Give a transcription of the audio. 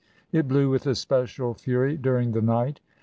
It blew with especial fury during the night.